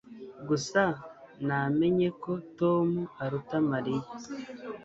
Gusa namenye ko Tom aruta Mariya